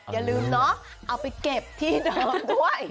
อย่าลืมเนาะเอาไปเก็บที่เดิมด้วย